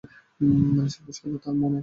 মানুষের বয়স হচ্ছে তার মনে।